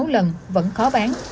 năm sáu lần vẫn khó bán